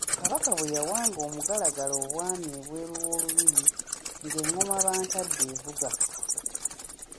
Kabaka bwe yawanga omugalagala obwami ebweru w’olubiri ng’engoma Bantadde evuga.